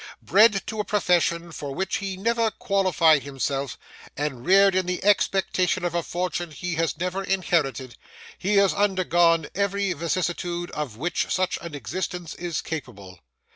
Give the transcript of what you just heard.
Bred to a profession for which he never qualified himself, and reared in the expectation of a fortune he has never inherited, he has undergone every vicissitude of which such an existence is capable.